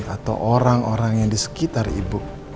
atau orang orang yang di sekitar ibu